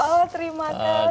oh terima kasih